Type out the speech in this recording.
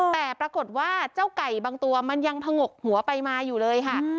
แต่ปรากฏว่าเจ้าไก่บางตัวมันยังผงกหัวไปมาอยู่เลยค่ะ